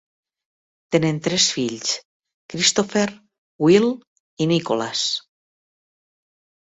Tenen tres fills: Christopher, Will, i Nicholas.